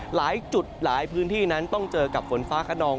หลายจุดหลายพื้นที่นั้นต้องเจอกับฝนฟ้าขนอง